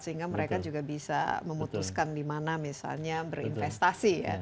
sehingga mereka juga bisa memutuskan di mana misalnya berinvestasi ya